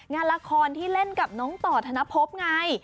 งานละครที่เล่นกับน้องต่อธนภพไง